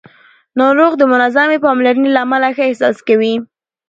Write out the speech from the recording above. ناروغ د منظمې پاملرنې له امله ښه احساس کوي